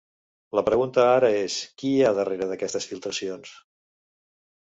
La pregunta ara és: qui hi ha darrere d’aquestes filtracions?